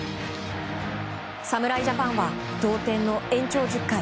侍ジャパンは同点の延長１０回